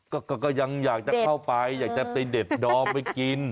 ก็ยังอยากจะเข้าไปอยากจะไปเด็ดดอมไปกิน